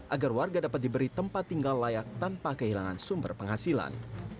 agar warga dapat diberi tempat tinggal layak tanpa kehilangan sumber penghasilan